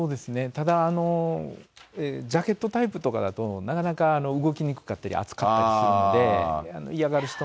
ただ、ジャケットタイプとかだとなかなか動きにくかったり、暑かったりするんで、嫌がる人も。